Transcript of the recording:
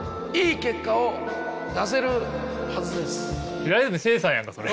平泉成さんやんかそれ。